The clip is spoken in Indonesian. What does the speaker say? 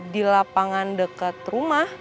di lapangan deket rumah